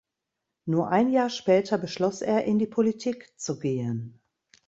Nur ein Jahr später beschloss er in die Politik zu gehen.